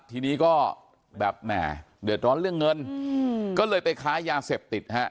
ทีนี้ก็แบบแหม่เดือดร้อนเรื่องเงินก็เลยไปค้ายาเสพติดฮะ